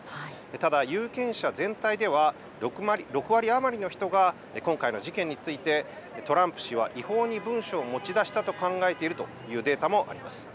ただ、有権者全体では、６割余りの人が今回の事件について、トランプ氏は違法に文書を持ち出したと考えているというデータもあります。